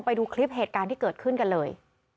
ไปดูคลิปเหตุการณ์ที่เกิดขึ้นกันเลย